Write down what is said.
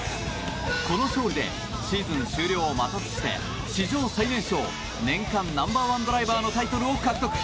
この勝利でシーズン終了を待たずして史上最年少年間ナンバー１ドライバーのタイトルを獲得。